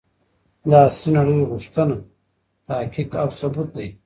د عصري نړۍ غوښتنه تحقيق او ثبوت دی.